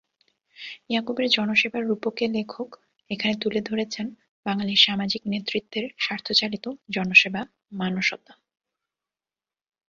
ইয়াকুবের জনসেবার রূপকে লেখক এখানে তুলে ধরেছেন বাঙালির সামাজিক নেতৃত্বের স্বার্থচালিত জনসেবা-মানসতা।